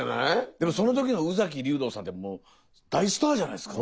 でもその時の宇崎竜童さんってもう大スターじゃないですか。